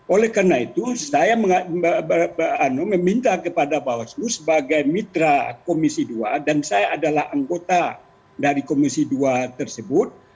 oleh karena itu saya meminta kepada bawaslu sebagai mitra komisi dua dan saya adalah anggota dari komisi dua tersebut